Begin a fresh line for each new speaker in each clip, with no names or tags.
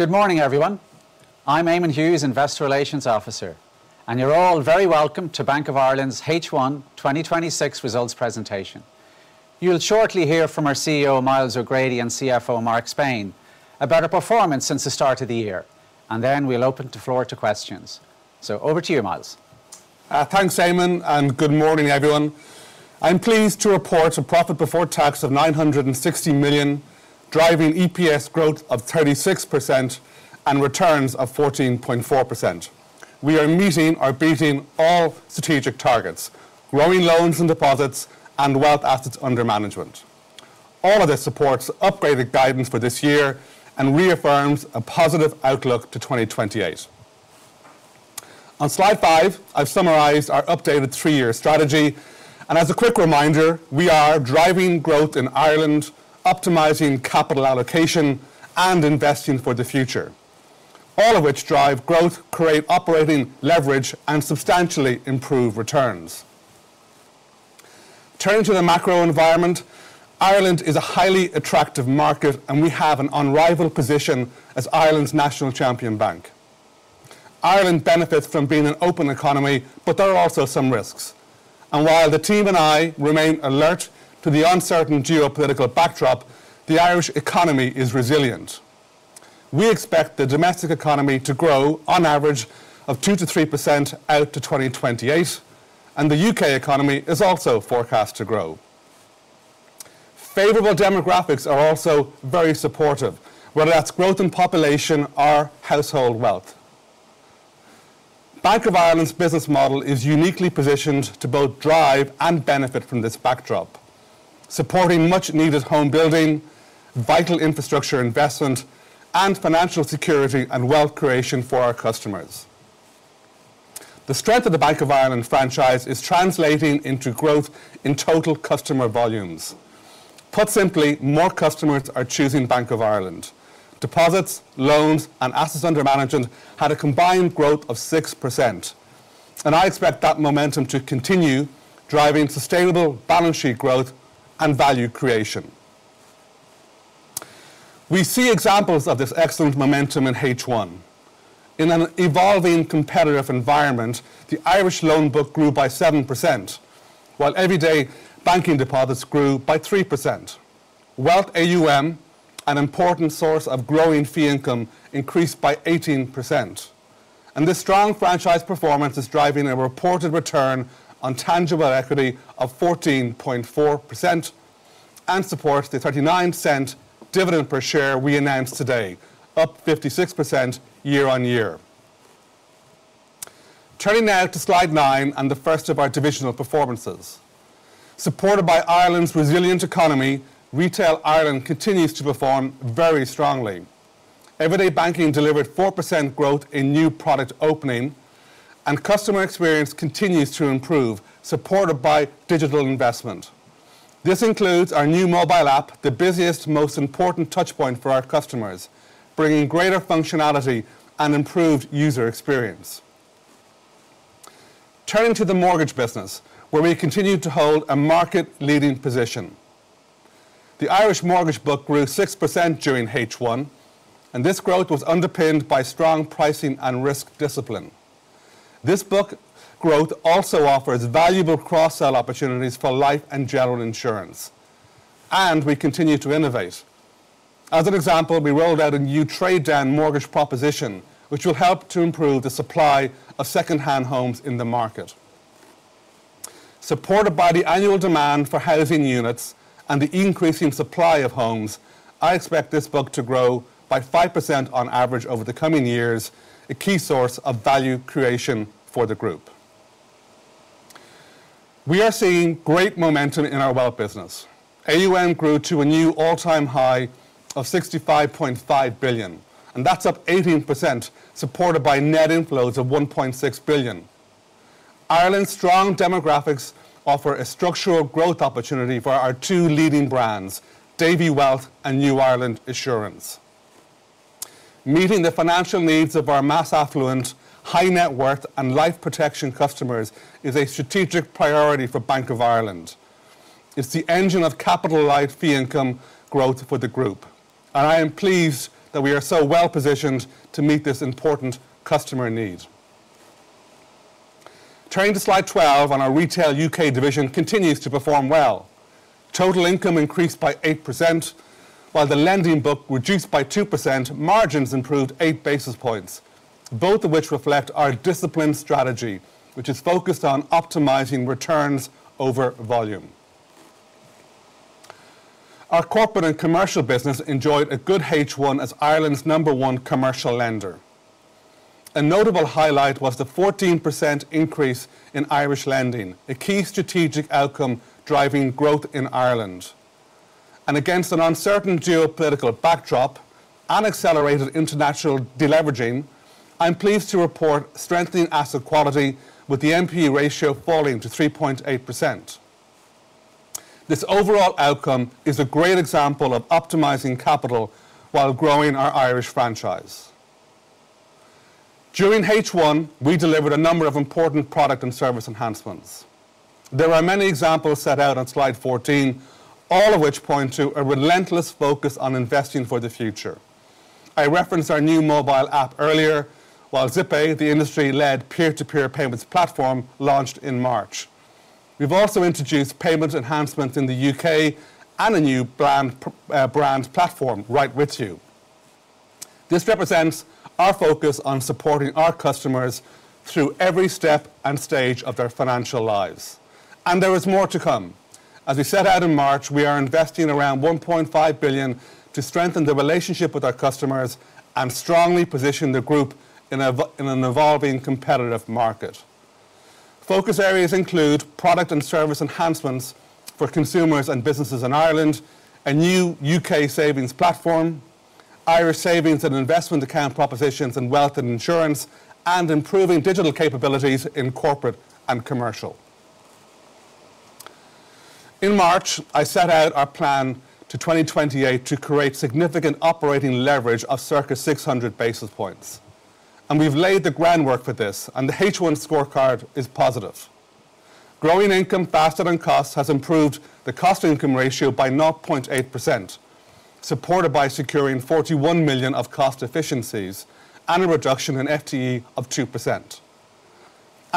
Good morning, everyone. I'm Eamonn Hughes, Investor Relations Officer, and you're all very welcome to Bank of Ireland's H1 2026 results presentation. You'll shortly hear from our CEO, Myles O'Grady, and CFO, Mark Spain, about our performance since the start of the year. Then we'll open the floor to questions. Over to you, Myles.
Thanks, Eamonn. Good morning, everyone. I'm pleased to report a profit before tax of 960 million, driving EPS growth of 36% and returns of 14.4%. We are meeting or beating all strategic targets, growing loans and deposits and wealth assets under management. All of this supports upgraded guidance for this year and reaffirms a positive outlook to 2028. On slide five, I've summarized our updated three-year strategy. As a quick reminder, we are driving growth in Ireland, optimizing capital allocation, investing for the future, all of which drive growth, create operating leverage, substantially improve returns. Turning to the macro environment, Ireland is a highly attractive market. We have an unrivaled position as Ireland's national champion bank. Ireland benefits from being an open economy, there are also some risks. While the team and I remain alert to the uncertain geopolitical backdrop, the Irish economy is resilient. We expect the domestic economy to grow on average of 2%-3% out to 2028. The U.K. economy is also forecast to grow. Favorable demographics are also very supportive, whether that's growth in population or household wealth. Bank of Ireland's business model is uniquely positioned to both drive and benefit from this backdrop, supporting much needed home building, vital infrastructure investment, and financial security and wealth creation for our customers. The strength of the Bank of Ireland franchise is translating into growth in total customer volumes. Put simply, more customers are choosing Bank of Ireland. Deposits, loans, and assets under management had a combined growth of 6%. I expect that momentum to continue driving sustainable balance sheet growth and value creation. We see examples of this excellent momentum in H1. In an evolving competitive environment, the Irish loan book grew by 7%, while everyday banking deposits grew by 3%. Wealth AUM, an important source of growing fee income, increased by 18%. This strong franchise performance is driving a reported return on tangible equity of 14.4% and supports the 0.39 dividend per share we announced today, up 56% year-on-year. Turning now to slide nine and the first of our divisional performances. Supported by Ireland's resilient economy, Retail Ireland continues to perform very strongly. Everyday banking delivered 4% growth in new product opening. Customer experience continues to improve, supported by digital investment. This includes our new mobile app, the busiest, most important touch point for our customers, bringing greater functionality and improved user experience. Turning to the mortgage business, where we continue to hold a market-leading position. The Irish mortgage book grew 6% during H1. This growth was underpinned by strong pricing and risk discipline. This book growth also offers valuable cross-sell opportunities for life and general insurance. We continue to innovate. As an example, we rolled out a new trade down mortgage proposition, which will help to improve the supply of secondhand homes in the market. Supported by the annual demand for housing units and the increasing supply of homes, I expect this book to grow by 5% on average over the coming years, a key source of value creation for the group. We are seeing great momentum in our wealth business. AUM grew to a new all-time high of 65.5 billion. That's up 18%, supported by net inflows of 1.6 billion. Ireland's strong demographics offer a structural growth opportunity for our two leading brands, Davy Wealth and New Ireland Assurance. Meeting the financial needs of our mass affluent, high net worth, and life pRoTEction customers is a strategic priority for Bank of Ireland. It's the engine of capital life fee income growth for the group. I am pleased that we are so well-positioned to meet this important customer need. Turning to slide 12, our Retail U.K. division continues to perform well. Total income increased by 8%, while the lending book reduced by 2%. Margins improved eight basis points, both of which reflect our disciplined strategy, which is focused on optimizing returns over volume. Our Corporate & Commercial business enjoyed a good H1 as Ireland's number one commercial lender. A notable highlight was the 14% increase in Irish lending, a key strategic outcome driving growth in Ireland. Against an uncertain geopolitical backdrop and accelerated international deleveraging, I'm pleased to report strengthening asset quality with the NPE ratio falling to 3.8%. This overall outcome is a great example of optimizing capital while growing our Irish franchise. During H1, we delivered a number of important product and service enhancements. There are many examples set out on slide 14, all of which point to a relentless focus on investing for the future. I referenced our new mobile app earlier, while Zippay, the industry-led peer-to-peer payments platform, launched in March. We've also introduced payment enhancements in the U.K. and a new brand platform, Right with you. This represents our focus on supporting our customers through every step and stage of their financial lives. There is more to come. As we set out in March, we are investing around 1.5 billion to strengthen the relationship with our customers and strongly position the group in an evolving competitive market. Focus areas include product and service enhancements for consumers and businesses in Ireland, a new U.K. savings platform, Irish savings and investment account propositions in Wealth & Insurance, and improving digital capabilities in Corporate & Commercial. In March, I set out our plan to 2028 to create significant operating leverage of circa 600 basis points. We've laid the groundwork for this. The H1 scorecard is positive. Growing income faster than cost has improved the cost-income ratio by 0.8%, supported by securing 41 million of cost efficiencies and a reduction in FTE of 2%.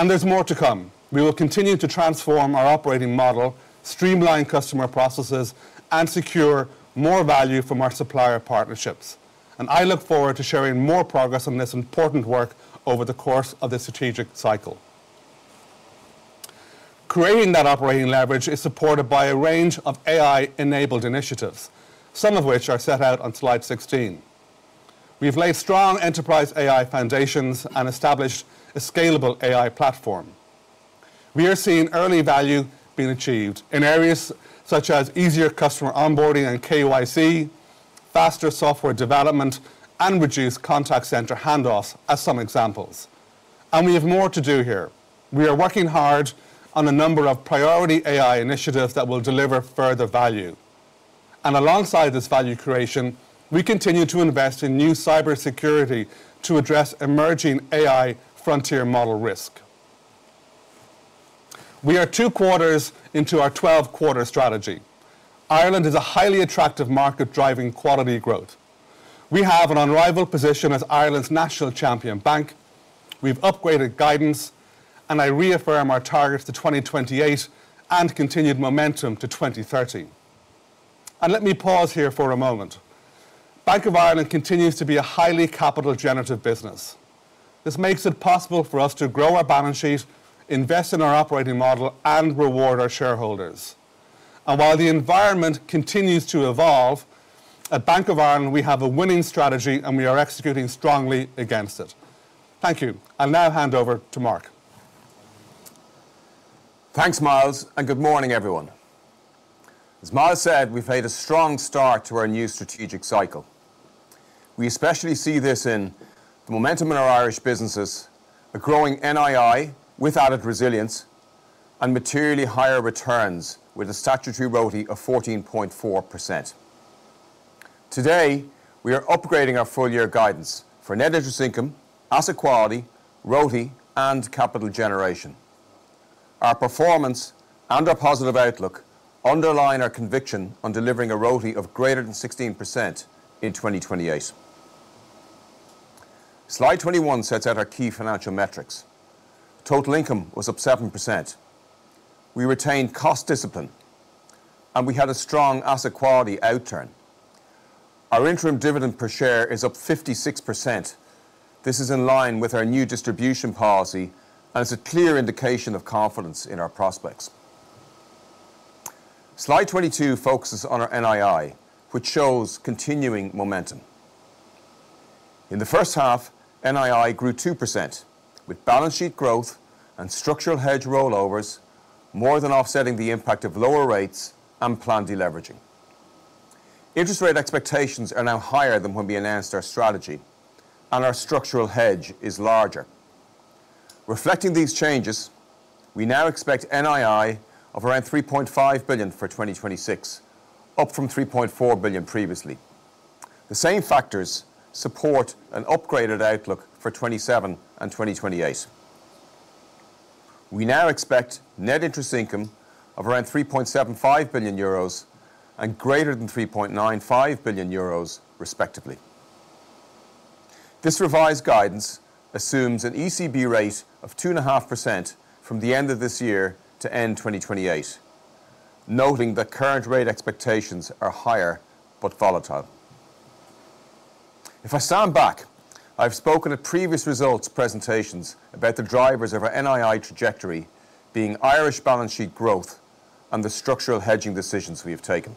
There's more to come. We will continue to transform our operating model, streamline customer processes, and secure more value from our supplier partnerships. I look forward to sharing more progress on this important work over the course of the strategic cycle. Creating that operating leverage is supported by a range of AI-enabled initiatives, some of which are set out on slide 16. We've laid strong enterprise AI foundations and established a scalable AI platform. We are seeing early value being achieved in areas such as easier customer onboarding and KYC, faster software development, and reduced contact center handoffs, as some examples. We have more to do here. We are working hard on a number of priority AI initiatives that will deliver further value. Alongside this value creation, we continue to invest in new cybersecurity to address emerging AI frontier model risk. We are two quarters into our 12-quarter strategy. Ireland is a highly attractive market, driving quality growth. We have an unrivaled position as Ireland's national champion bank. We've upgraded guidance, I reaffirm our targets to 2028 and continued momentum to 2030. Let me pause here for a moment. Bank of Ireland continues to be a highly capital generative business. This makes it possible for us to grow our balance sheet, invest in our operating model, and reward our shareholders. While the environment continues to evolve, at Bank of Ireland, we have a winning strategy, and we are executing strongly against it. Thank you. I'll now hand over to Mark.
Thanks, Myles, good morning, everyone. As Myles said, we've made a strong start to our new strategic cycle. We especially see this in the momentum in our Irish businesses, a growing NII with added resilience, and materially higher returns with a statutory RoTE of 14.4%. Today, we are upgrading our full-year guidance for net interest income, asset quality, RoTE, and capital generation. Our performance and our positive outlook underline our conviction on delivering a RoTE of greater than 16% in 2028. Slide 21 sets out our key financial metrics. Total income was up 7%. We retained cost discipline, we had a strong asset quality outturn. Our interim dividend per share is up 56%. This is in line with our new distribution policy and is a clear indication of confidence in our prospects. Slide 22 focuses on our NII, which shows continuing momentum. In the first half, NII grew 2%, with balance sheet growth and structural hedge rollovers more than offsetting the impact of lower rates and planned deleveraging. Interest rate expectations are now higher than when we announced our strategy, our structural hedge is larger. Reflecting these changes, we now expect NII of around 3.5 billion for 2026, up from 3.4 billion previously. The same factors support an upgraded outlook for 2027 and 2028. We now expect net interest income of around 3.75 billion euros and greater than 3.95 billion euros, respectively. This revised guidance assumes an ECB rate of 2.5% from the end of this year to end 2028, noting that current rate expectations are higher but volatile. If I stand back, I've spoken at previous results presentations about the drivers of our NII trajectory being Irish balance sheet growth and the structural hedging decisions we have taken.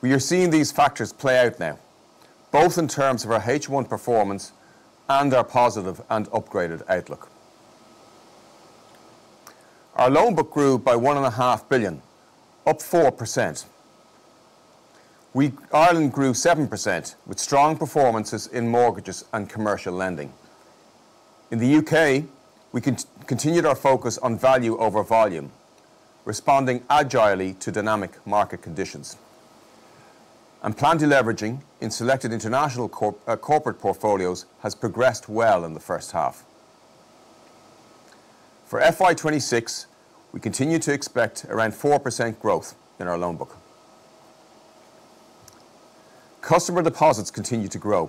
We are seeing these factors play out now, both in terms of our H1 performance and our positive and upgraded outlook. Our loan book grew by 1.5 billion, up 4%. Ireland grew 7%, with strong performances in mortgages and commercial lending. In the U.K., we continued our focus on value over volume, responding agilely to dynamic market conditions. Planned de-leveraging in selected international corporate portfolios has progressed well in the first half. For FY 2026, we continue to expect around 4% growth in our loan book. Customer deposits continue to grow,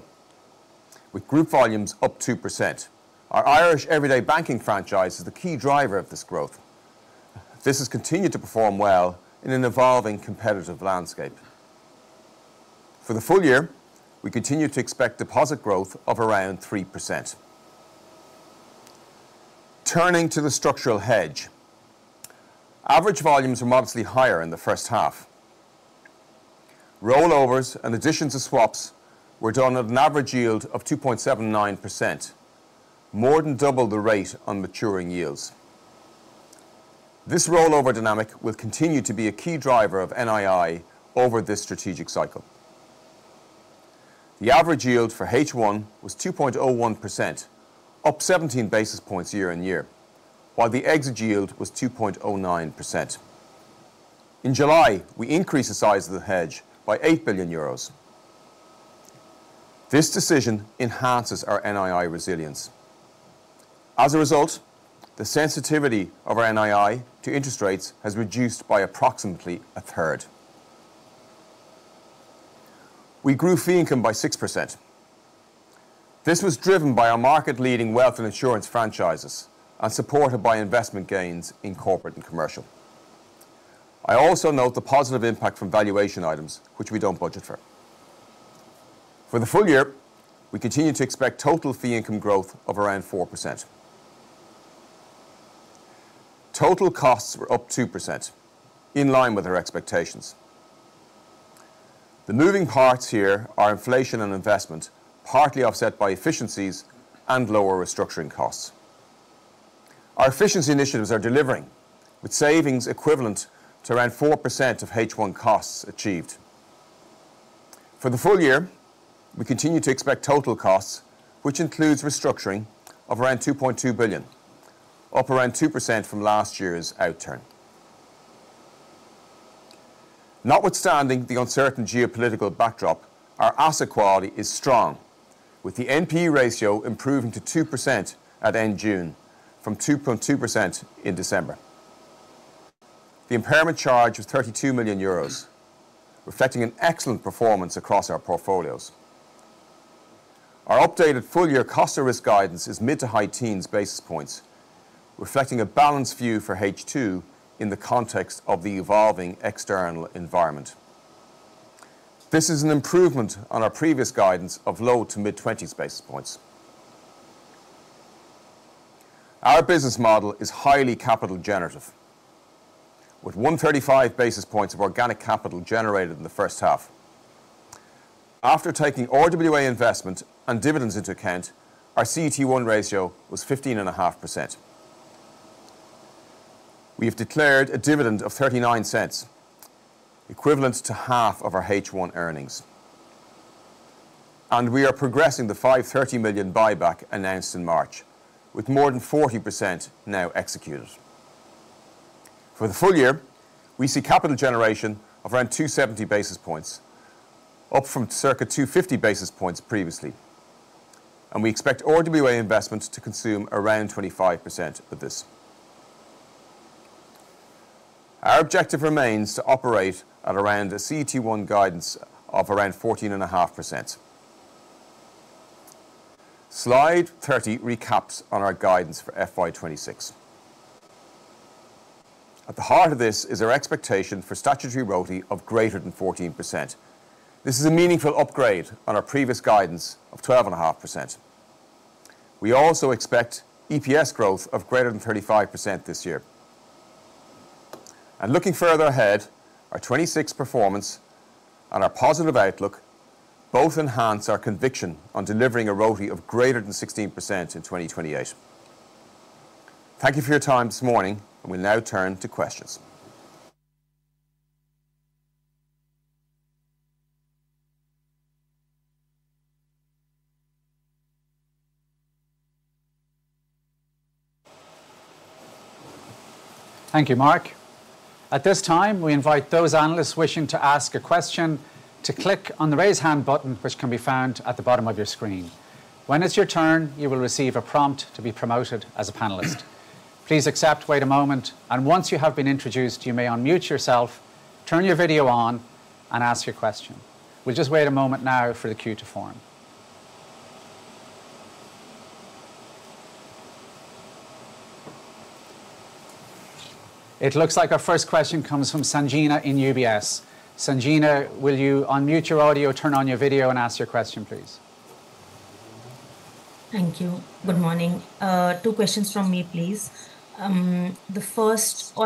with group volumes up 2%. Our Irish everyday banking franchise is the key driver of this growth. This has continued to perform well in an evolving competitive landscape. For the full year, we continue to expect deposit growth of around 3%. Turning to the structural hedge. Average volumes were modestly higher in the first half. Rollovers and additions to swaps were done at an average yield of 2.79%, more than double the rate on maturing yields. This rollover dynamic will continue to be a key driver of NII over this strategic cycle. The average yield for H1 was 2.01%, up 17 basis points year-on-year, while the exit yield was 2.09%. In July, we increased the size of the hedge by 8 billion euros. This decision enhances our NII resilience. As a result, the sensitivity of our NII to interest rates has reduced by approximately a third. We grew fee income by 6%. This was driven by our market-leading Wealth & Insurance franchises and supported by investment gains in Corporate & Commercial. I also note the positive impact from valuation items, which we don't budget for. For the full year, we continue to expect total fee income growth of around 4%. Total costs were up 2%, in line with our expectations. The moving parts here are inflation and investment, partly offset by efficiencies and lower restructuring costs. Our efficiency initiatives are delivering, with savings equivalent to around 4% of H1 costs achieved. For the full year, we continue to expect total costs, which includes restructuring of around 2.2 billion, up around 2% from last year's outturn. Notwithstanding the uncertain geopolitical backdrop, our asset quality is strong, with the NPE ratio improving to 2% at end June, from 2.2% in December. The impairment charge was 32 million euros, reflecting an excellent performance across our portfolios. Our updated full-year cost-to-risk guidance is mid to high teens basis points, reflecting a balanced view for H2 in the context of the evolving external environment. This is an improvement on our previous guidance of low to mid-20s basis points. Our business model is highly capital generative, with 135 basis points of organic capital generated in the first half. After taking RWA investment and dividends into account, our CET1 ratio was 15.5%. We have declared a dividend of 0.39, equivalent to half of our H1 earnings. We are progressing the 530 million buyback announced in March, with more than 40% now executed. For the full year, we see capital generation of around 270 basis points, up from circa 250 basis points previously, and we expect RWA investments to consume around 25% of this. Our objective remains to operate at around a CET1 guidance of around 14.5%. Slide 30 recaps on our guidance for FY 2026. At the heart of this is our expectation for statutory ROAE of greater than 14%. This is a meaningful upgrade on our previous guidance of 12.5%. We also expect EPS growth of greater than 35% this year. Looking further ahead, our 2026 performance and our positive outlook both enhance our conviction on delivering a ROAE of greater than 16% in 2028. Thank you for your time this morning, and we'll now turn to questions.
Thank you, Mark. At this time, we invite those analysts wishing to ask a question to click on the raise hand button, which can be found at the bottom of your screen. When it's your turn, you will receive a prompt to be promoted as a panelist. Please accept, wait a moment, and once you have been introduced, you may unmute yourself, turn your video on, and ask your question. We'll just wait a moment now for the queue to form. It looks like our first question comes from Sanjena in UBS. Sanjena, will you unmute your audio, turn on your video, and ask your question, please?
Thank you. Good morning. Two questions from me, please. The first,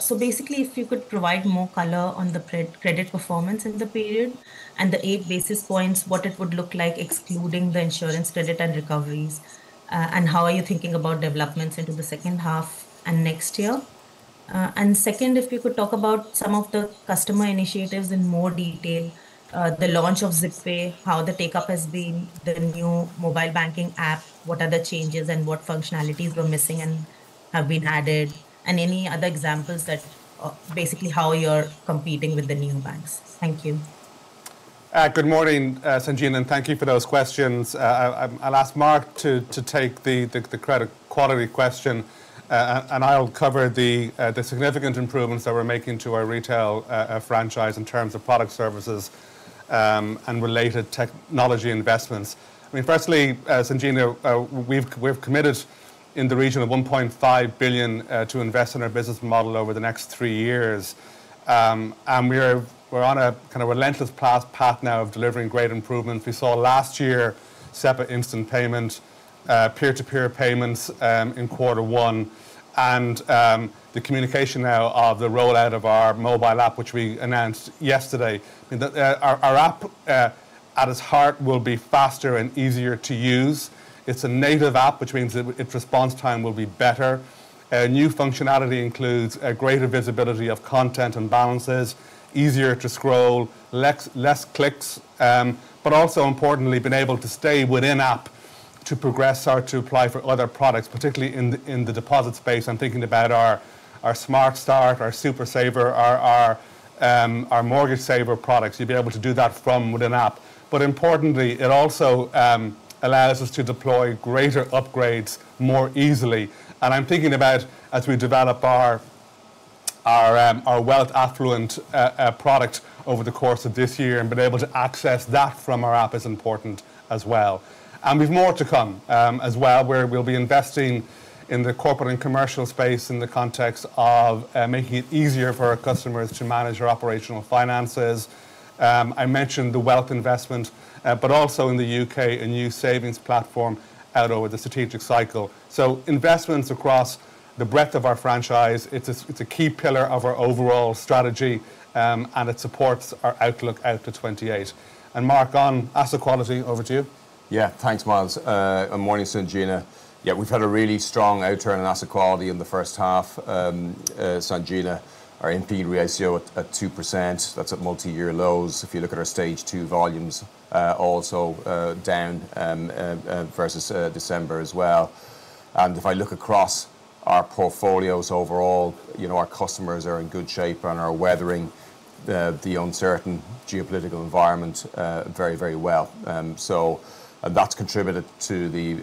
so basically if you could provide more color on the credit performance in the period and the eight basis points, what it would look like excluding the insurance credit and recoveries. How are you thinking about developments into the second half and next year? Second, if you could talk about some of the customer initiatives in more detail. The launch of Zippay, how the take-up has been. The new mobile banking app, what are the changes and what functionalities were missing and have been added? Any other examples that basically how you're competing with the neobanks. Thank you.
Good morning, Sanjena, thank you for those questions. I'll ask Mark to take the credit quality question, I'll cover the significant improvements that we're making to our retail franchise in terms of product services and related technology investments. Firstly, Sanjena, we've committed in the region of 1.5 billion to invest in our business model over the next three years. We're on a relentless path now of delivering great improvements. We saw last year SEPA instant payment, peer-to-peer payments in quarter one, the communication now of the rollout of our mobile app, which we announced yesterday. Our app, at its heart, will be faster and easier to use. It's a native app, which means its response time will be better. New functionality includes a greater visibility of content and balances, easier to scroll, less clicks. Also importantly, being able to stay within app to progress or to apply for other products, particularly in the deposit space. I'm thinking about our Smart Start, our SuperSaver, our MortgageSaver products. You'll be able to do that from within app. Importantly, it also allows us to deploy greater upgrades more easily. I'm thinking about as we develop our wealth affluent product over the course of this year, being able to access that from our app is important as well. We've more to come as well, where we'll be investing in the Corporate & Commercial space in the context of making it easier for our customers to manage their operational finances. I mentioned the wealth investment. Also in the U.K., a new savings platform out over the strategic cycle. Investments across the breadth of our franchise, it's a key pillar of our overall strategy, and it supports our outlook out to 2028. Mark, on asset quality, over to you.
Thanks, Myles. Morning, Sanjena. We've had a really strong outturn in asset quality in the first half, Sanjena. Our NPE ratio at 2%, that's at multi-year lows. If you look at our Stage II volumes, also down versus December as well. If I look across our portfolios overall, our customers are in good shape and are weathering the uncertain geopolitical environment very well. That's contributed to the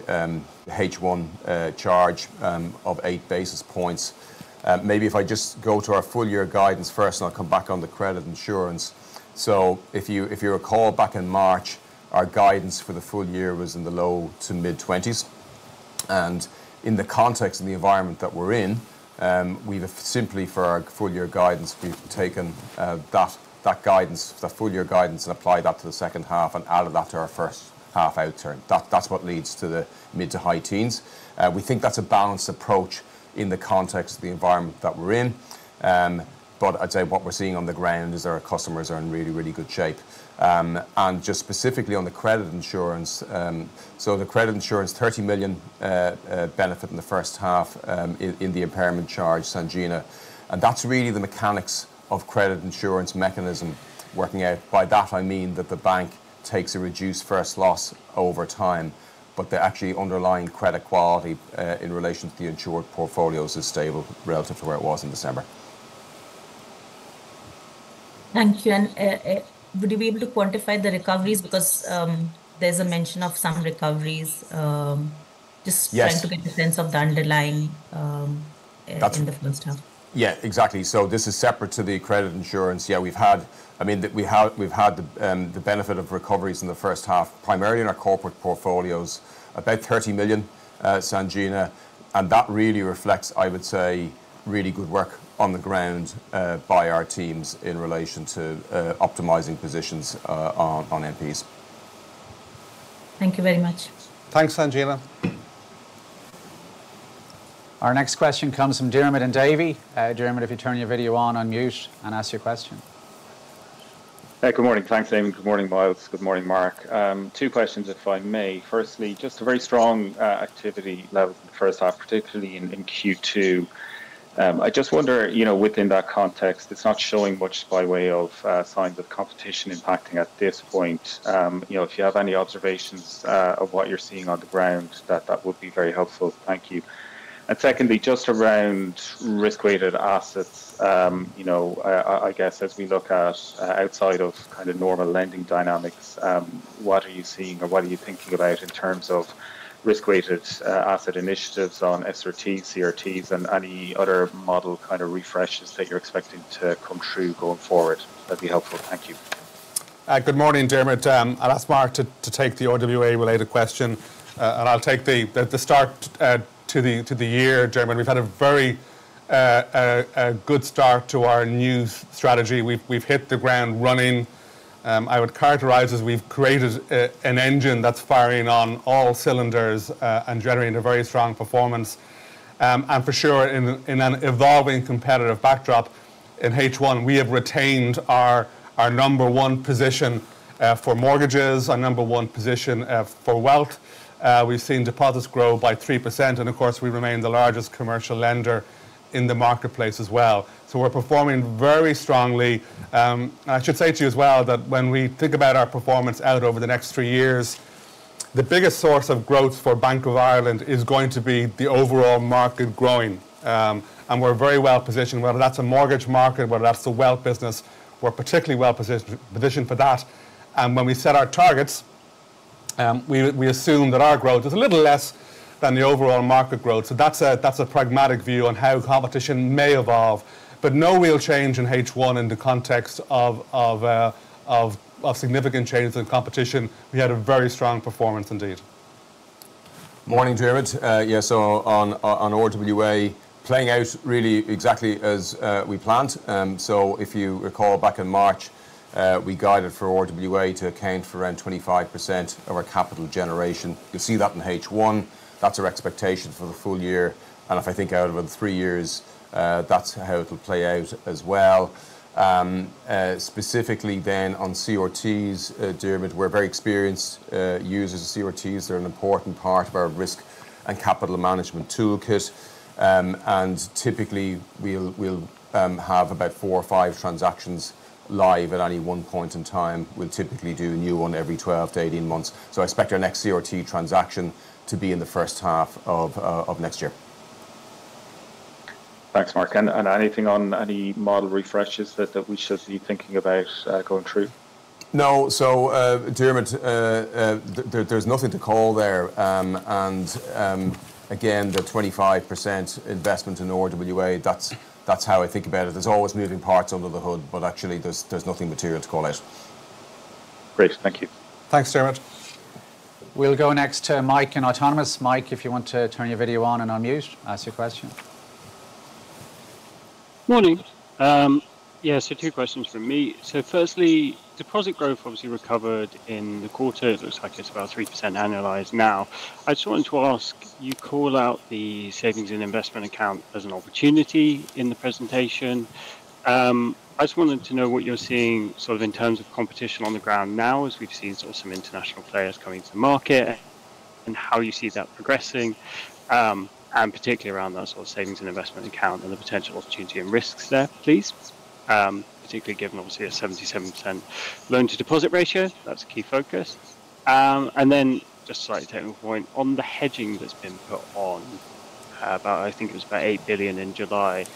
H1 charge of 8 basis points. Maybe if I just go to our full year guidance first, I'll come back on the credit insurance. If you recall back in March, our guidance for the full year was in the low to mid-20s. In the context of the environment that we're in, we've simply for our full year guidance, we've taken that full year guidance and applied that to the second half and added that to our first half outturn. That's what leads to the mid to high teens. We think that's a balanced approach in the context of the environment that we're in. I'd say what we're seeing on the ground is our customers are in really good shape. Just specifically on the credit insurance. The credit insurance, 30 million benefit in the first half in the impairment charge, Sanjena. That's really the mechanics of credit insurance mechanism working out. By that, I mean that the bank takes a reduced first loss over time, but the actually underlying credit quality in relation to the insured portfolios is stable relative to where it was in December.
Thank you. Would you be able to quantify the recoveries? Because there's a mention of some recoveries.
Yes.
Just trying to get the sense of the underlying-
That's-
In the first half.
Yeah, exactly. This is separate to the credit insurance. Yeah, we've had the benefit of recoveries in the first half, primarily in our corporate portfolios. About 30 million, Sanjena, and that really reflects, I would say, really good work on the ground by our teams in relation to optimizing positions on NPEs.
Thank you very much.
Thanks, Sanjena.
Our next question comes from Diarmaid in Davy. Diarmaid, if you turn your video on, unmute, and ask your question.
Good morning. Thanks, Eamonn. Good morning, Myles. Good morning, Mark. Two questions, if I may. Firstly, just a very strong activity level in the first half, particularly in Q2. I just wonder, within that context, it's not showing much by way of signs of competition impacting at this point. If you have any observations of what you're seeing on the ground, that would be very helpful. Thank you. Secondly, just around risk-weighted assets. I guess as we look at outside of kind of normal lending dynamics, what are you seeing or what are you thinking about in terms of risk-weighted asset initiatives on SRTs, CRTs, and any other model kind of refreshes that you're expecting to come through going forward? That'd be helpful. Thank you.
Good morning, Diarmaid. I'll ask Mark to take the RWA related question, and I'll take the start to the year, Diarmaid. We've had a very good start to our new strategy. We've hit the ground running. I would characterize as we've created an engine that's firing on all cylinders and generating a very strong performance. For sure, in an evolving competitive backdrop in H1, we have retained our number one position for mortgages, our number one position for wealth. We've seen deposits grow by 3%, and of course, we remain the largest commercial lender in the marketplace as well. We're performing very strongly. I should say to you as well that when we think about our performance out over the next three years, the biggest source of growth for Bank of Ireland is going to be the overall market growing. We're very well positioned, whether that's a mortgage market, whether that's the wealth business. We're particularly well positioned for that. When we set our targets, we assume that our growth is a little less than the overall market growth. That's a pragmatic view on how competition may evolve. No real change in H1 in the context of significant changes in competition. We had a very strong performance indeed.
Morning, Diarmaid. On RWA, playing out really exactly as we planned. If you recall back in March, we guided for RWA to account for around 25% of our capital generation. You'll see that in H1. That's our expectation for the full year. If I think out over the three years, that's how it'll play out as well. Specifically then on CRTs, Diarmaid, we're very experienced users of CRTs. They're an important part of our risk and capital management toolkit. Typically, we'll have about four or five transactions live at any one point in time. We'll typically do a new one every 12-18 months. I expect our next CRT transaction to be in the first half of next year.
Thanks, Mark. Anything on any model refreshes that we should be thinking about going through?
No. Diarmaid, there's nothing to call there. Again, the 25% investment in RWA, that's how I think about it. There's always moving parts under the hood, but actually there's nothing material to call out.
Great. Thank you.
Thanks, Diarmaid. We'll go next to Mike in Autonomous. Mike, if you want to turn your video on and unmute, ask your question.
Morning. Two questions from me. Firstly, deposit growth obviously recovered in the quarter. It looks like it's about 3% annualized now. I just wanted to ask, you call out the savings and investment account as an opportunity in the presentation. I just wanted to know what you're seeing sort of in terms of competition on the ground now, as we've seen some international players coming to market, and how you see that progressing, and particularly around that sort of savings and investment account and the potential opportunity and risks there, please. Particularly given, obviously, a 77% loan to deposit ratio. That's a key focus. Then just slightly taking point, on the hedging that's been put on, I think it was about 8 billion in July.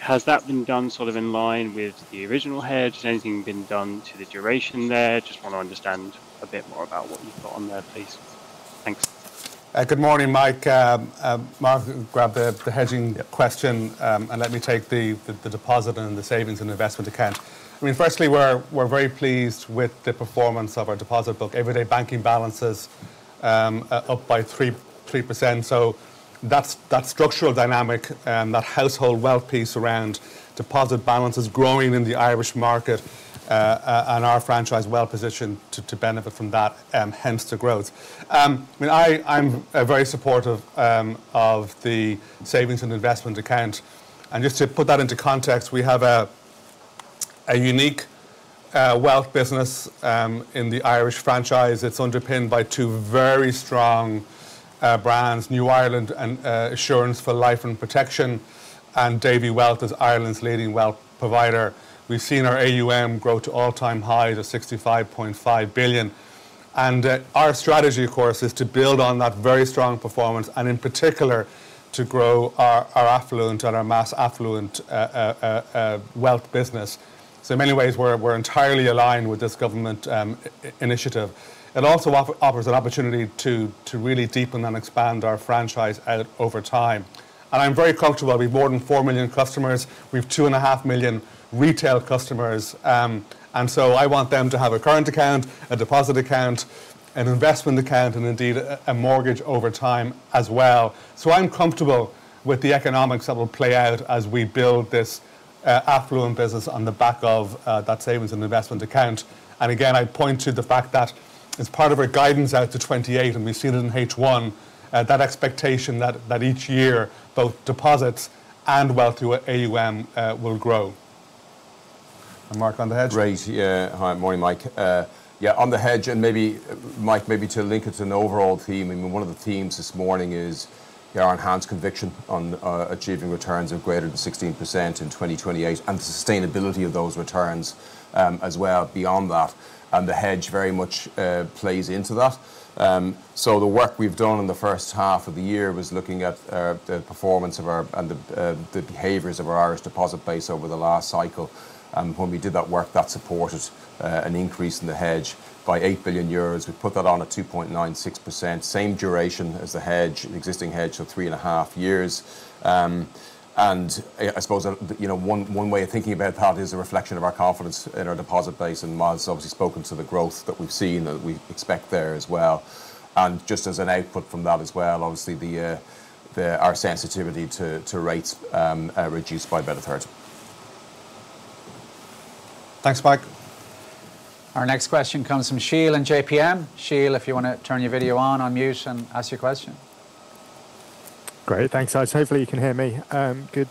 Has that been done sort of in line with the original hedge? Has anything been done to the duration there? Just want to understand a bit more about what you've got on there, please. Thanks.
Good morning, Mike. Mark, grab the hedging question, let me take the deposit and the savings and investment account. Firstly, we're very pleased with the performance of our deposit book. Everyday banking balance is up by 3%, so that structural dynamic, that household wealth piece around deposit balance is growing in the Irish market, and our franchise well positioned to benefit from that, hence the growth. I'm very supportive of the savings and investment account. Just to put that into context, we have a unique wealth business in the Irish franchise. It's underpinned by two very strong brands, New Ireland Assurance for Life and protection, and Davy Wealth as Ireland's leading wealth provider. We've seen our AUM grow to all-time highs of 65.5 billion. Our strategy, of course, is to build on that very strong performance, and in particular, to grow our affluent and our mass affluent wealth business. In many ways, we're entirely aligned with this government initiative. It also offers an opportunity to really deepen and expand our franchise out over time. I'm very comfortable. We have more than 4 million customers. We've 2.5 million retail customers. I want them to have a current account, a deposit account, an investment account, and indeed, a mortgage over time as well. I'm comfortable with the economics that will play out as we build this affluent business on the back of that savings and investment account. Again, I point to the fact that as part of our guidance out to 2028, and we've seen it in H1, that expectation that each year both deposits and wealth through AUM will grow. Mark, on the hedge.
Great. Yeah. Hi, morning, Mike. Mike, maybe to link it to an overall theme, One of the themes this morning is our enhanced conviction on achieving returns of greater than 16% in 2028 and the sustainability of those returns as well beyond that. The hedge very much plays into that. The work we've done in the first half of the year was looking at the performance and the behaviors of our Irish deposit base over the last cycle. When we did that work, that supported an increase in the hedge by 8 billion euros. We put that on at 2.96%, same duration as the hedge, existing hedge of three and a half years. I suppose, one way of thinking about that is a reflection of our confidence in our deposit base and Myles' obviously spoken to the growth that we've seen, that we expect there as well. Just as an output from that as well, obviously our sensitivity to rates reduced by about a third.
Thanks, Mike.
Our next question comes from Sheel in JPMorgan. Sheel, if you want to turn your video on, unmute, and ask your question.
Great. Thanks. Hopefully you can hear me.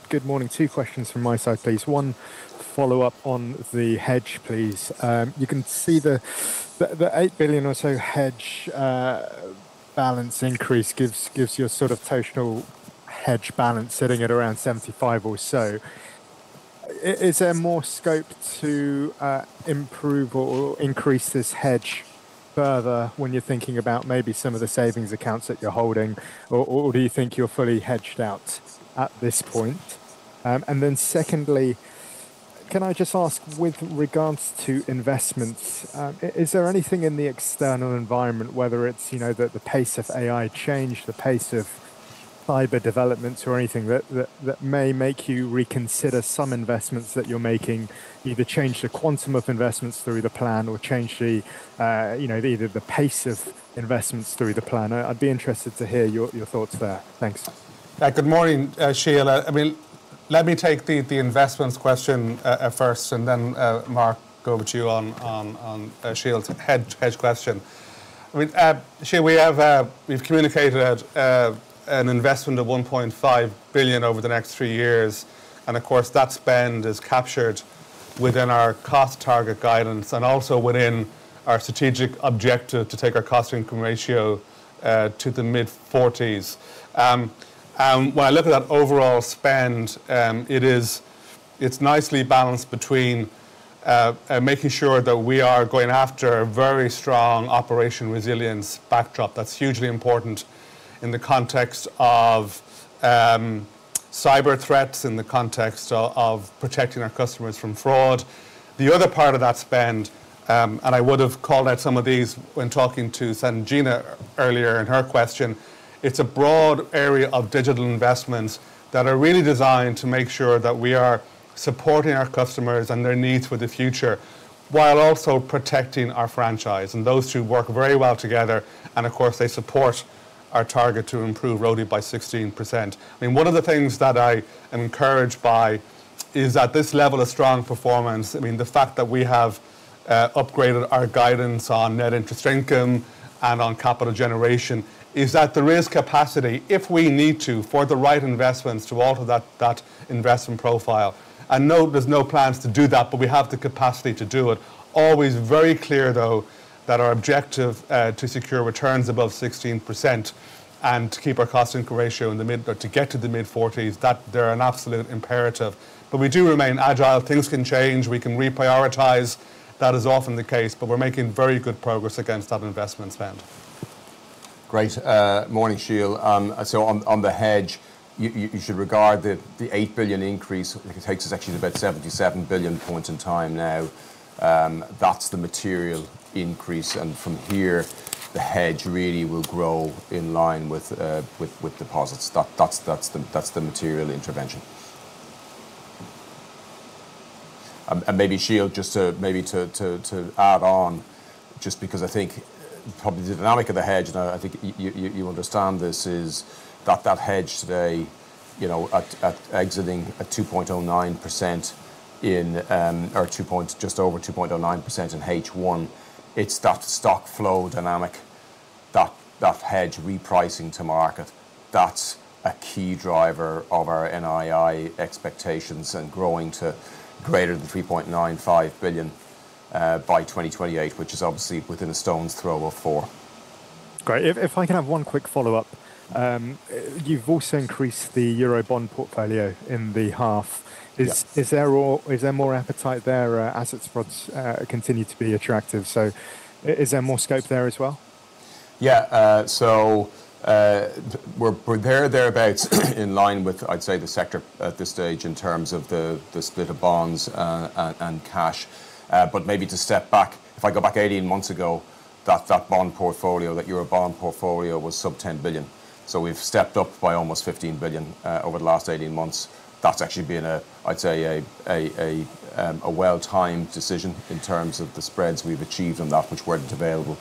Good morning. Two questions from my side, please. One to follow up on the hedge, please. You can see the 8 billion or so hedge balance increase gives you a sort of notional hedge balance sitting at around 75 or so. Is there more scope to improve or increase this hedge further when you're thinking about maybe some of the savings accounts that you're holding? Or do you think you're fully hedged out at this point? Secondly, can I just ask, with regards to investments, is there anything in the external environment, whether it's the pace of AI change, the pace of fiber developments or anything, that may make you reconsider some investments that you're making, either change the quantum of investments through the plan or change either the pace of investments through the plan? I'd be interested to hear your thoughts there. Thanks.
Good morning, Sheel. Let me take the investments question first, then, Mark, go with you on Sheel's hedge question. Sheel, we've communicated an investment of 1.5 billion over the next three years, and of course, that spend is captured within our cost target guidance and also within our strategic objective to take our cost income ratio to the mid-40s. When I look at that overall spend, it's nicely balanced between making sure that we are going after a very strong operational resilience backdrop. That's hugely important in the context of cyber threats, in the context of protecting our customers from fraud. The other part of that spend, I would have called out some of these when talking to Sanjena earlier in her question, it's a broad area of digital investments that are really designed to make sure that we are supporting our customers and their needs for the future while also protecting our franchise. Those two work very well together, and of course, they support our target to improve RoTE by 16%. One of the things that I am encouraged by is that this level of strong performance, the fact that we have upgraded our guidance on net interest income and on capital generation, is that there is capacity if we need to, for the right investments, to alter that investment profile. No, there's no plans to do that, but we have the capacity to do it. Always very clear, though, that our objective to secure returns above 16% and to keep our cost income ratio, to get to the mid-40s, that they're an absolute imperative. We do remain agile. Things can change. We can reprioritize. That is often the case, but we're making very good progress against that investment spend.
Great. Morning, Sheel. On the hedge, you should regard the 8 billion increase. It takes us actually to about 77 billion points in time now. That's the material increase. From here, the hedge really will grow in line with deposits. That's the material intervention. Maybe Sheel, just to add on, just because I think probably the dynamic of the hedge, and I think you understand this, is that that hedge today, at exiting at 2.09%, or just over 2.09% in H1, it's that stock flow dynamic, that hedge repricing to market. That's a key driver of our NII expectations and growing to greater than 3.95 billion by 2028, which is obviously within a stone's throw of 4 billion.
Great. If I can have one quick follow-up. You've also increased the Eurobond portfolio in the half.
Yes.
Is there more appetite there as spreads continue to be attractive? Is there more scope there as well?
Yeah. We're thereabouts in line with, I'd say, the sector at this stage in terms of the split of bonds and cash. Maybe to step back, if I go back 18 months ago, that Eurobond portfolio was sub 10 billion. We've stepped up by almost 15 billion over the last 18 months. That's actually been, I'd say, a well-timed decision in terms of the spreads we've achieved and that which weren't available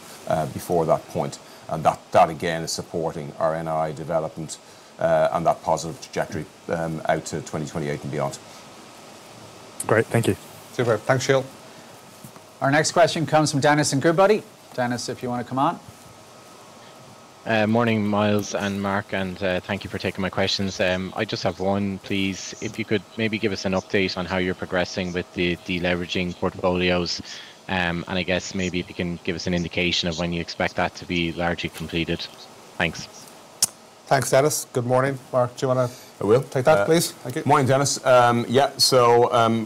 before that point. That, again, is supporting our NII development and that positive trajectory out to 2028 and beyond.
Great. Thank you.
Super. Thanks, Sheel.
Our next question comes from Denis in Goodbody. Denis, if you want to come on.
Morning, Myles and Mark, Thank you for taking my questions. I just have one, please. If you could maybe give us an update on how you're progressing with the deleveraging portfolios, I guess maybe if you can give us an indication of when you expect that to be largely completed. Thanks.
Thanks, Denis. Good morning. Mark, do you want to-
I will
take that, please. Thank you.
Morning, Denis. Yeah,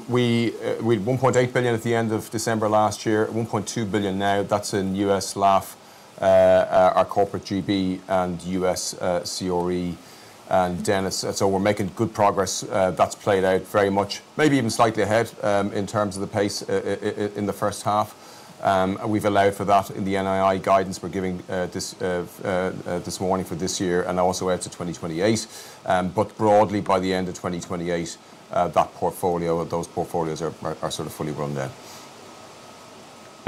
we had 1.8 billion at the end of December last year, 1.2 billion now. That's in U.S. LAF, our Corporate GB, and U.S. CRE. Denis, we're making good progress. That's played out very much, maybe even slightly ahead, in terms of the pace in the first half. We've allowed for that in the NII guidance we're giving this morning for this year, and also out to 2028. Broadly, by the end of 2028, that portfolio or those portfolios are sort of fully run.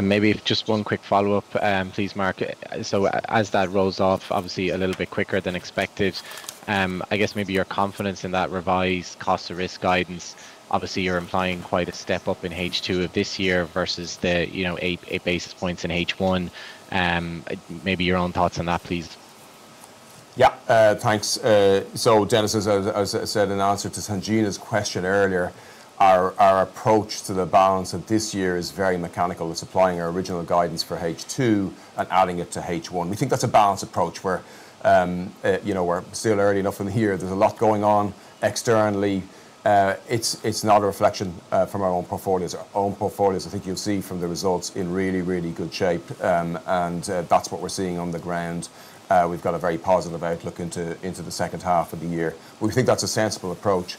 Maybe just one quick follow-up, please, Mark. As that rolls off, obviously a little bit quicker than expected, I guess maybe your confidence in that revised cost to risk guidance, obviously, you're implying quite a step up in H2 of this year versus the eight basis points in H1. Maybe your own thoughts on that, please.
Yeah. Thanks. Denis, as I said in answer to Sanjena's question earlier, our approach to the balance of this year is very mechanical. We're supplying our original guidance for H2 and adding it to H1. We think that's a balanced approach where we're still early enough in the year. There's a lot going on externally. It's not a reflection from our own portfolios. Our own portfolios, I think you'll see from the results, in really, really good shape, and that's what we're seeing on the ground. We've got a very positive outlook into the second half of the year. We think that's a sensible approach.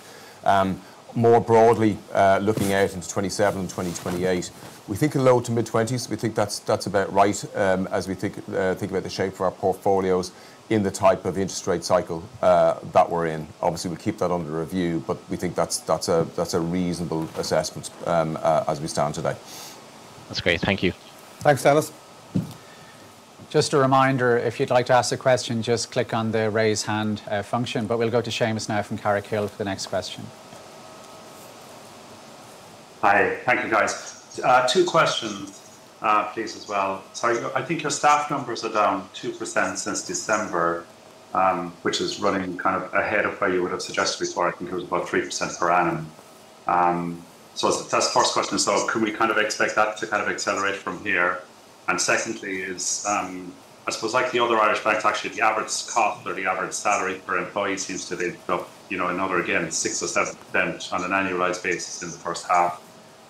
More broadly, looking out into 2027 and 2028, we think a low to mid-20s, we think that's about right, as we think about the shape for our portfolios in the type of interest rate cycle that we're in. Obviously, we'll keep that under review, we think that's a reasonable assessment as we stand today.
That's great. Thank you.
Thanks, Denis. Just a reminder, if you'd like to ask a question, just click on the Raise Hand function. We'll go to Seamus now from Carraighill for the next question.
Hi. Thank you, guys. Two questions please, as well. Sorry. I think your staff numbers are down 2% since December, which is running kind of ahead of where you would've suggested before. I think it was about 3% per annum. That's the first question. Can we kind of expect that to kind of accelerate from here? Secondly is, I suppose like the other Irish banks actually, the average cost or the average salary per employee seems to have been up, another, again, 6% or 7% on an annualized basis in the first half.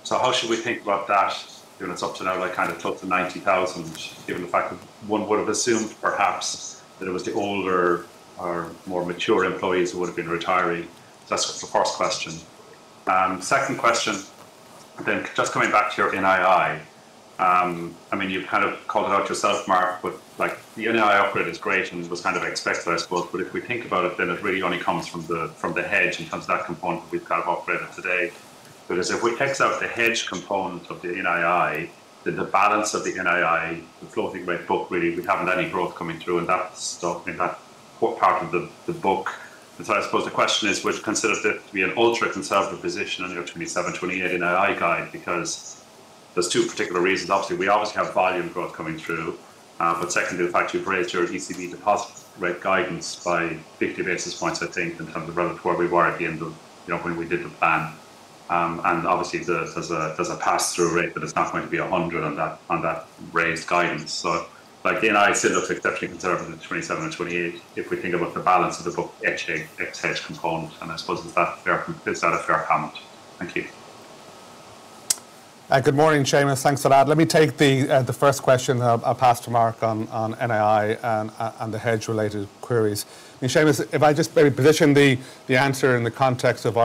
How should we think about that, given it's up to now like kind of close to 90,000, given the fact that one would've assumed perhaps that it was the older or more mature employees who would've been retiring. That's the first question. Second question, just coming back to your NII. You've kind of called it out yourself, Mark, the NII upgrade is great and was kind of expected, I suppose. If we think about it really only comes from the hedge in terms of that component that we've kind of operated today. As if we take out the hedge component of the NII, the balance of the NII, the floating rate book really, we haven't any growth coming through and that part of the book. I suppose the question is, would you consider this to be an ultra-conservative position on your 2027/2028 NII guide because there's two particular reasons. Obviously, we obviously have volume growth coming through. Secondly, the fact you've raised your ECB deposit rate guidance by 50 basis points, I think, in terms of relative to where we were at the end of when we did the plan. Obviously, there's a pass-through rate, but it's not going to be 100 on that raised guidance. The NII still looks exceptionally conservative in 2027 and 2028 if we think about the balance of the book ex-hedge component, and I suppose is that a fair comment? Thank you.
Good morning, Seamus. Thanks for that. Let me take the first question. I'll pass to Mark on NII and the hedge-related queries. I mean, Seamus, if I just maybe position the answer in the context of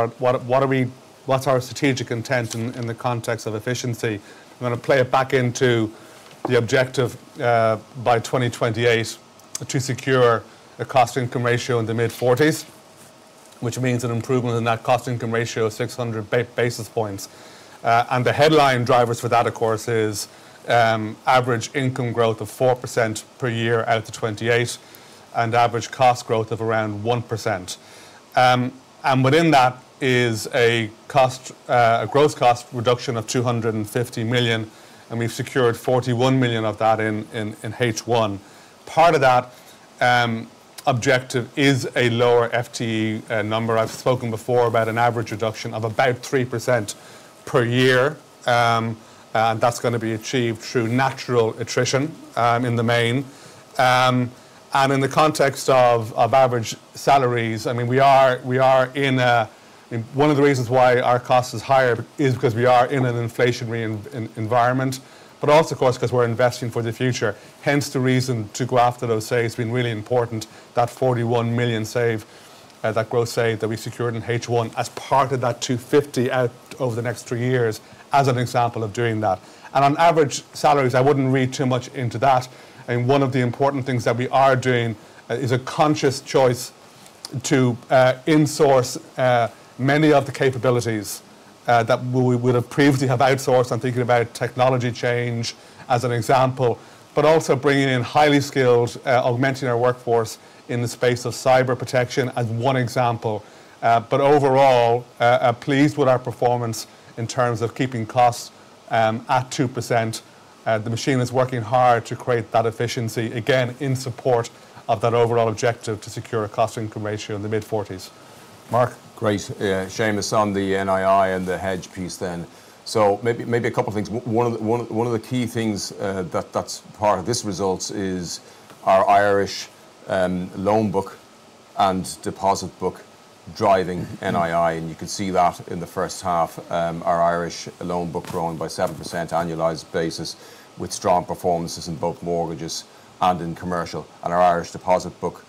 what's our strategic intent in the context of efficiency. I'm going to play it back into the objective, by 2028, to secure a cost-to-income ratio in the mid-40s, which means an improvement in that cost-to-income ratio of 600 basis points. The headline drivers for that, of course, is average income growth of 4% per year out to 2028 and average cost growth of around 1%. Within that is a gross cost reduction of 250 million, and we've secured 41 million of that in H1. Part of that objective is a lower FTE number. I've spoken before about an average reduction of about 3% per year. That's going to be achieved through natural attrition, in the main. In the context of average salaries, one of the reasons why our cost is higher is because we are in an inflationary environment. Also, of course, because we're investing for the future, hence the reason to go after those save has been really important, that 41 million save, that gross save that we secured in H1 as part of that 250 million out over the next three years as an example of doing that. On average salaries, I wouldn't read too much into that. I mean, one of the important things that we are doing is a conscious choice to insource many of the capabilities that we would previously have outsourced. I'm thinking about technology change as an example. Also bringing in highly skilled, augmenting our workforce in the space of cyber protection as one example. Overall, pleased with our performance in terms of keeping costs at 2%. The machine is working hard to create that efficiency, again, in support of that overall objective to secure a cost-income ratio in the mid-40s. Mark.
Great. Yeah. Seamus, on the NII and the hedge piece then. Maybe a couple of things. One of the key things that's part of this results is our Irish loan book and deposit book driving NII, and you can see that in the first half. Our Irish loan book growing by 7% annualized basis with strong performances in both mortgages and in commercial, and our Irish deposit book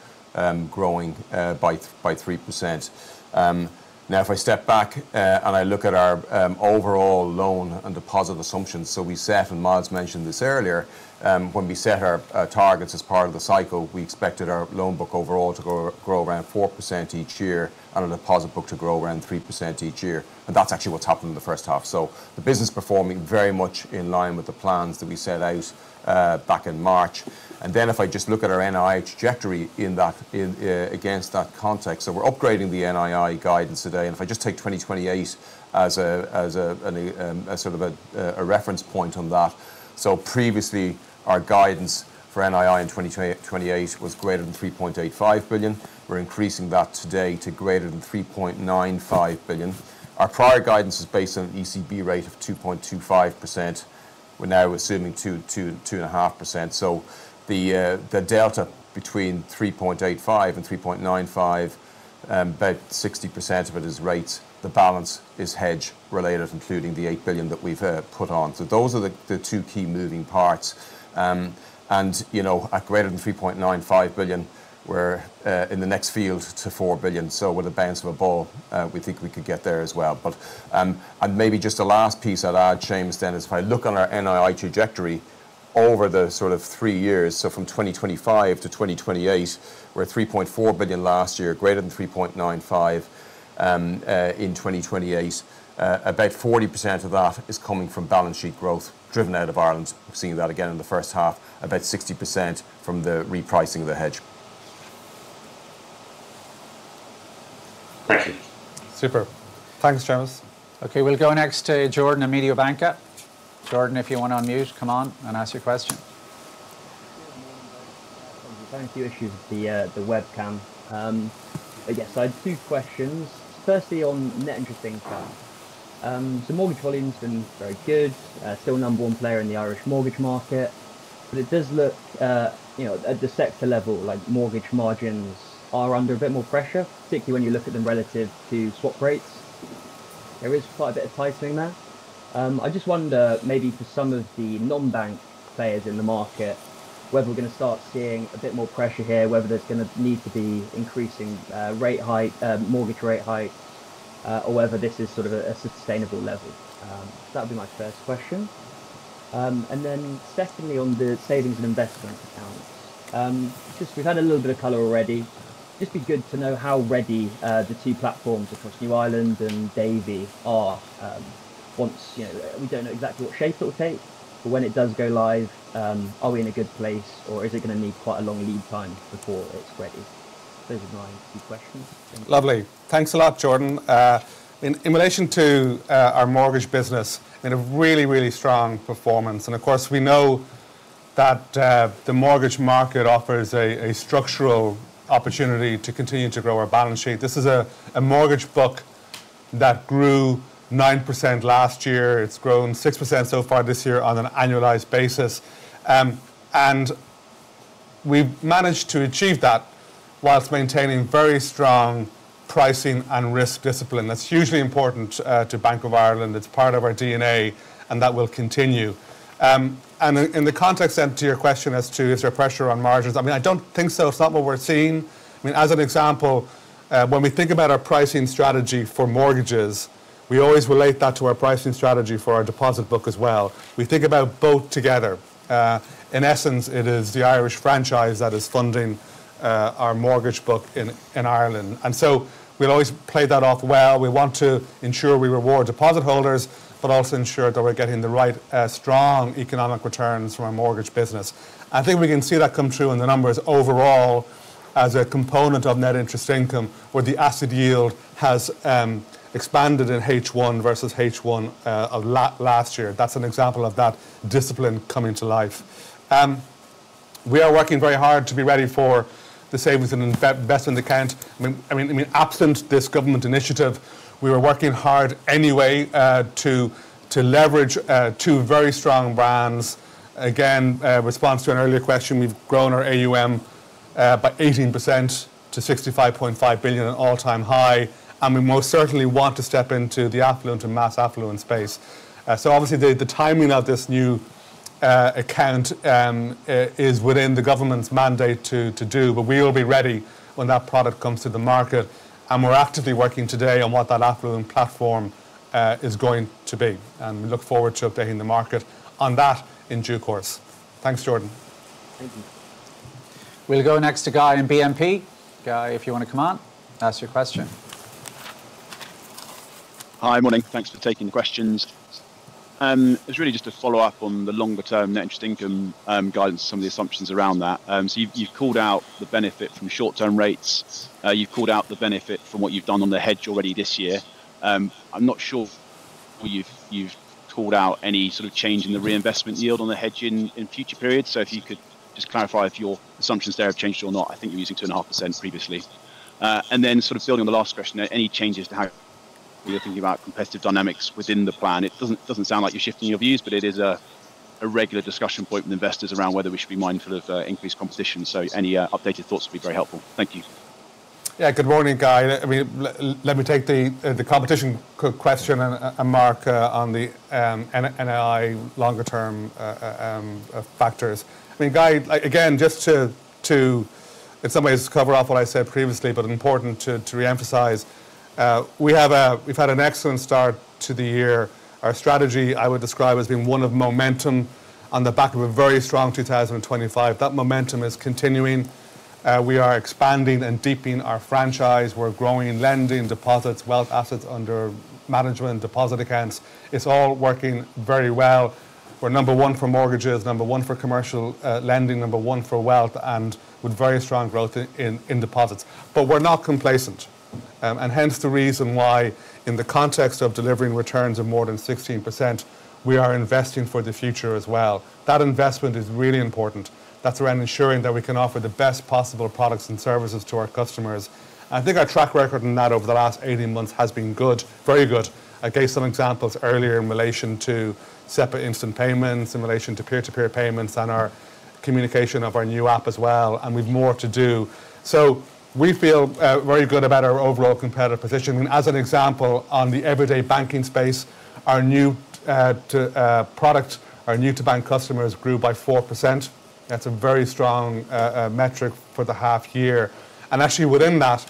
growing by 3%. If I step back and I look at our overall loan and deposit assumptions. We set, and Myles mentioned this earlier, when we set our targets as part of the cycle, we expected our loan book overall to grow around 4% each year and our deposit book to grow around 3% each year. That's actually what's happened in the first half. The business performing very much in line with the plans that we set out back in March. If I just look at our NII trajectory against that context. We're upgrading the NII guidance today, and if I just take 2028 as a reference point on that. Previously, our guidance for NII in 2028 was greater than 3.85 billion. We're increasing that today to greater than 3.95 billion. Our prior guidance is based on an ECB rate of 2.25%. We're now assuming 2.5%. The delta between 3.85 billion and 3.95 billion, about 60% of it is rates. The balance is hedge related, including the 8 billion that we've put on. Those are the two key moving parts. At greater than 3.95 billion, we're in the next field to 4 billion. With a bounce of a ball, we think we could get there as well. Maybe just the last piece I'd add, Seamus, then, is if I look on our NII trajectory over the sort of three years, from 2025 to 2028. We're at 3.4 billion last year, greater than 3.95 billion in 2028. About 40% of that is coming from balance sheet growth driven out of Ireland. We've seen that again in the first half. About 60% from the repricing of the hedge.
Thank you.
Superb. Thanks, Seamus.
We'll go next to Jordan at Mediobanca. Jordan, if you want to unmute, come on and ask your question.
Thank you. A few issues with the webcam. Yes, I had two questions. Firstly, on net interest income. Mortgage volumes have been very good. Still number one player in the Irish mortgage market, it does look at the sector level, like mortgage margins are under a bit more pressure, particularly when you look at them relative to swap rates. There is quite a bit of tightening there. I just wonder maybe for some of the non-bank players in the market, whether we're going to start seeing a bit more pressure here, whether there's going to need to be increasing mortgage rate hikes, or whether this is sort of a sustainable level. That'd be my first question. Secondly, on the savings and investment account. We've had a little bit of color already. Just be good to know how ready the two platforms across New Ireland and Davy are. We don't know exactly what shape it'll take, when it does go live, are we in a good place or is it going to need quite a long lead time before it's ready? Those are my two questions.
Lovely. Thanks a lot, Jordan. In relation to our mortgage business, in a really, really strong performance. Of course, we know that the mortgage market offers a structural opportunity to continue to grow our balance sheet. This is a mortgage book that grew 9% last year. It's grown 6% so far this year on an annualized basis. We've managed to achieve that whilst maintaining very strong pricing and risk discipline. That's hugely important to Bank of Ireland. It's part of our DNA, and that will continue. In the context then to your question as to is there pressure on margins, I don't think so. It's not what we're seeing. As an example, when we think about our pricing strategy for mortgages, we always relate that to our pricing strategy for our deposit book as well. We think about both together. In essence, it is the Irish franchise that is funding our mortgage book in Ireland. We'll always play that off well. We want to ensure we reward deposit holders, also ensure that we're getting the right strong economic returns from our mortgage business. I think we can see that come through in the numbers overall as a component of net interest income, where the asset yield has expanded in H1 versus H1 of last year. That's an example of that discipline coming to life. We are working very hard to be ready for the savings and investment account. Absent this government initiative, we were working hard anyway to leverage two very strong brands. Again, response to an earlier question, we've grown our AUM by 18% to 65.5 billion, an all-time high. We most certainly want to step into the affluent and mass affluent space. Obviously, the timing of this new account is within the government's mandate to do, we will be ready when that product comes to the market, we're actively working today on what that affluent platform is going to be. We look forward to updating the market on that in due course. Thanks, Jordan.
Thank you.
We'll go next to Guy in BNP. Guy, if you want to come on, ask your question.
Hi, morning. Thanks for taking the questions. It's really just a follow-up on the longer term net interest income guidance, some of the assumptions around that. You've called out the benefit from short-term rates. You've called out the benefit from what you've done on the hedge already this year. I'm not sure you've called out any sort of change in the reinvestment yield on the hedge in future periods. If you could just clarify if your assumptions there have changed or not. I think you were using 2.5% previously. Building on the last question, any changes to how you're thinking about competitive dynamics within the plan? It doesn't sound like you're shifting your views, but it is a regular discussion point with investors around whether we should be mindful of increased competition. Any updated thoughts would be very helpful. Thank you.
Good morning, Guy. Let me take the competition question and Mark on the NII longer term factors. Guy, again, just to in some ways cover off what I said previously, but important to reemphasize. We've had an excellent start to the year. Our strategy, I would describe, as being one of momentum on the back of a very strong 2025. That momentum is continuing. We are expanding and deepening our franchise. We're growing in lending deposits, wealth assets under management, deposit accounts. It's all working very well. We're number one for mortgages, number one for commercial lending, number one for wealth, and with very strong growth in deposits. We're not complacent, and hence the reason why, in the context of delivering returns of more than 16%, we are investing for the future as well. That investment is really important. That's around ensuring that we can offer the best possible products and services to our customers. I think our track record on that over the last 18 months has been good, very good. I gave some examples earlier in relation to SEPA instant payments, in relation to peer-to-peer payments, and our communication of our new app as well, and we've more to do. We feel very good about our overall competitive position. As an example, on the everyday banking space, our new-to-product, our new-to-bank customers grew by 4%. That's a very strong metric for the half year. Within that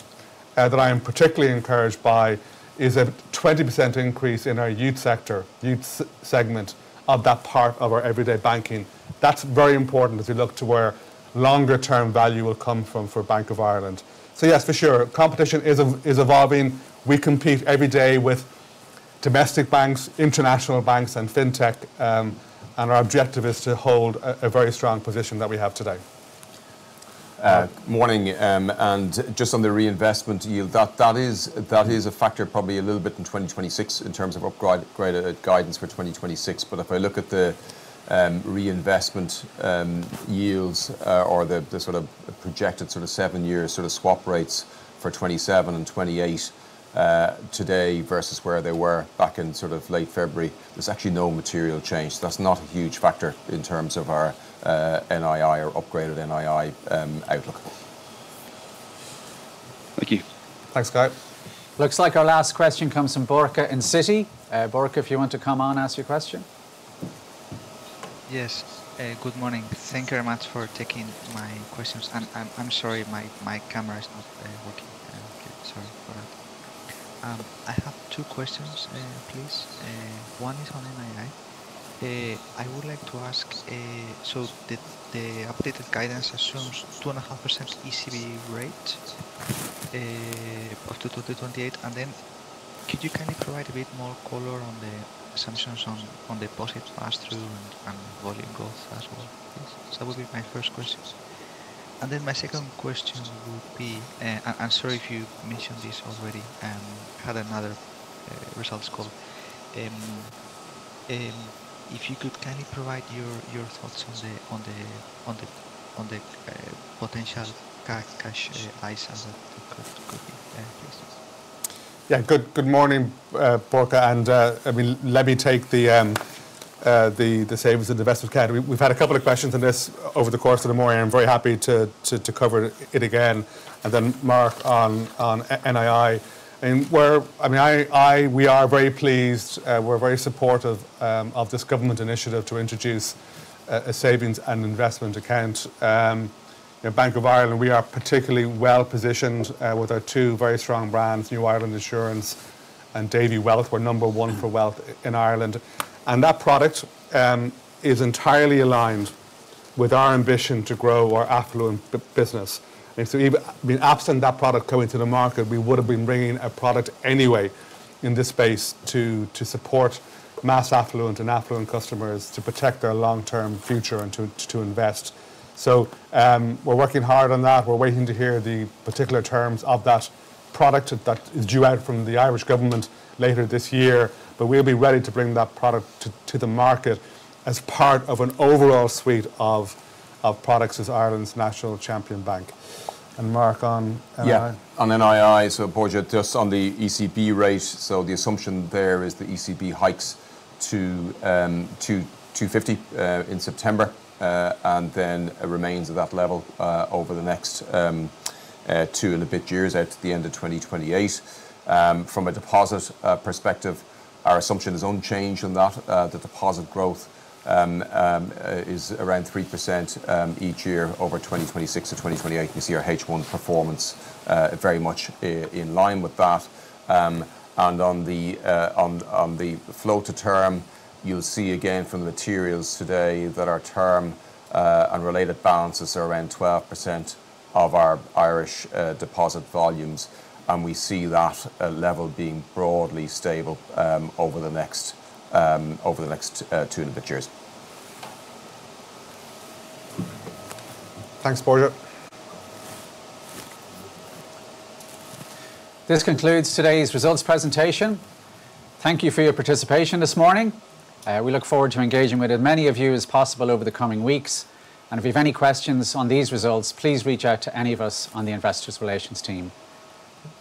I am particularly encouraged by, is a 20% increase in our youth segment of that part of our everyday banking. That's very important as we look to where longer term value will come from for Bank of Ireland. Yes, for sure, competition is evolving. We compete every day with domestic banks, international banks, and fintech. Our objective is to hold a very strong position that we have today.
Morning. Just on the reinvestment yield, that is a factor probably a little bit in 2026 in terms of upgraded guidance for 2026. If I look at the reinvestment yields or the projected seven-year swap rates for 2027 and 2028 today versus where they were back in late February, there's actually no material change. That's not a huge factor in terms of our NII or upgraded NII outlook. Thank you.
Thanks, Guy.
Looks like our last question comes from Borja in Citi. Borja, if you want to come on and ask your question.
Yes. Good morning. Thank you very much for taking my questions. I'm sorry, my camera is not working. Sorry for that. I have two questions, please. One is on NII. I would like to ask, the updated guidance assumes 2.5% ECB rate up to 2028. Could you kindly provide a bit more color on the assumptions on deposit pass-through and volume growth as well, please? That would be my first question. My second question would be, and I'm sorry if you mentioned this already and had another results call, if you could kindly provide your thoughts on the potential Cash ISAs that could be, please.
Good morning, Borja, let me take the savings and investment account. We've had a couple of questions on this over the course of the morning. I'm very happy to cover it again. Then Mark on NII. We are very pleased, we're very supportive of this government initiative to introduce a savings and investment account. Bank of Ireland, we are particularly well-positioned with our two very strong brands, New Ireland Assurance and Davy. We're number one for wealth in Ireland. That product is entirely aligned with our ambition to grow our affluent business. Absent that product coming to the market, we would have been bringing a product anyway in this space to support mass affluent and affluent customers to protect their long-term future and to invest. We're working hard on that. We're waiting to hear the particular terms of that product that is due out from the Irish government later this year. We'll be ready to bring that product to the market as part of an overall suite of products as Ireland's national champion bank. Mark, on NII?
On NII, Borja, just on the ECB rate, the assumption there is the ECB hikes to 250 in September, then remains at that level over the next two and a bit years out to the end of 2028. From a deposit perspective, our assumption is unchanged on that. The deposit growth is around 3% each year over 2026-2028. You see our H1 performance very much in line with that. On the float to term, you'll see again from the materials today that our term on related balances are around 12% of our Irish deposit volumes. We see that level being broadly stable over the next two and a bit years.
Thanks, Borja.
This concludes today's results presentation. Thank you for your participation this morning. We look forward to engaging with as many of you as possible over the coming weeks. If you have any questions on these results, please reach out to any of us on the investors' relations team.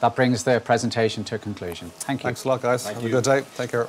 That brings the presentation to a conclusion. Thank you.
Thanks a lot, guys.
Thank you.
Have a good day. Take care.